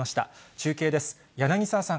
中継です。